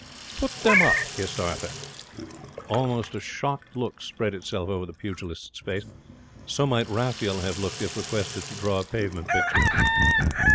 'Put them up!' hissed Arthur. Almost a shocked look spread itself over the pugilist's face. So might Raphael have looked if requested to draw a pavement picture.